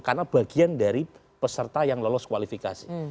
karena bagian dari peserta yang lolos kualifikasi